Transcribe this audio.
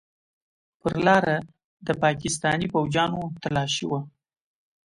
پر لاره د پاکستاني فوجيانو تلاشي وه.